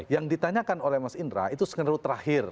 yang ditanyakan oleh mas indra itu skenario terakhir